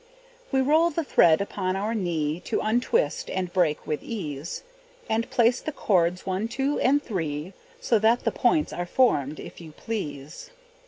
We roll the thread upon our knee, To untwist and break with ease, And place the cords, one, two, and three, So that the points are formed, if you please.